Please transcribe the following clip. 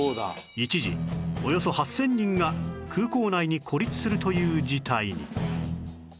一時およそ８０００人が空港内に孤立するという事態に